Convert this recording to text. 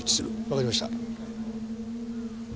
わかりました。